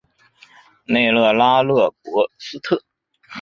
内勒拉勒波斯特。